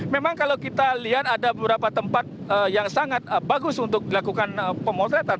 memang kalau kita lihat ada beberapa tempat yang sangat bagus untuk dilakukan pemotretan